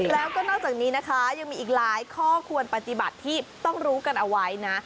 แล้วก็นอกจากนี้นะคะยังมีอีกหลายข้อควรปฏิบัติที่ต้องรู้กันเอาไว้นะ